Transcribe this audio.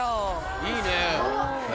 いいね。